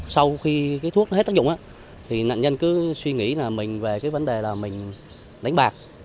sau khi thuốc hết tác dụng nạn nhân cứ suy nghĩ về vấn đề đánh bạc